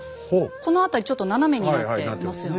この辺りちょっと斜めになってますよね。